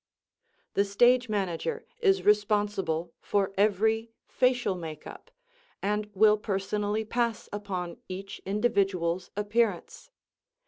The Stage Manager is responsible for every facial makeup, and will personally pass upon each individual's appearance.